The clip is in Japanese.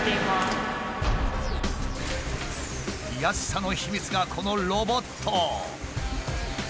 安さの秘密がこのロボット。